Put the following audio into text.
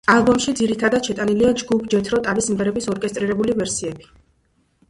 ალბომში ძირითადად შეტანილია ჯგუფ ჯეთრო ტალის სიმღერების ორკესტრირებული ვერსიები.